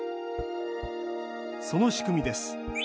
その仕組みです。